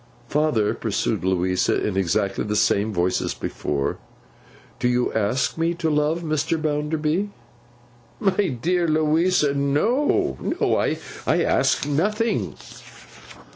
'Father,' pursued Louisa in exactly the same voice as before, 'do you ask me to love Mr. Bounderby?' 'My dear Louisa, no. No. I ask nothing.